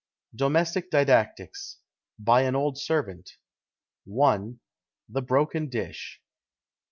DOMESTIC DIDACTICS. BY AN OLD SERVANT. I. THE BROKEN DISH.